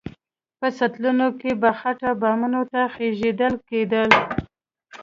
په سطلونو کې به خټه بامونو ته خېژول کېده.